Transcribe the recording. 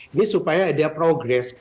ini supaya ada progres